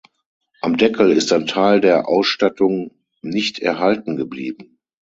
Am Deckel ist ein Teil der Ausstattung nicht erhalten geblieben.